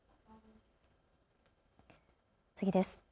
次です。